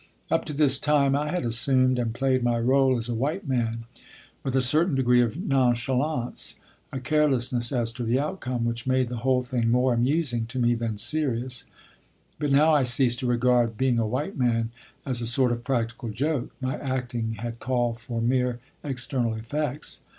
Up to this time I had assumed and played my role as a white man with a certain degree of nonchalance, a carelessness as to the outcome, which made the whole thing more amusing to me than serious; but now I ceased to regard "being a white man" as a sort of practical joke. My acting had called for mere external effects.